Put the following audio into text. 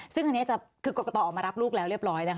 ซึ่งอันนี้จะคือกรกตออกมารับลูกแล้วเรียบร้อยนะคะ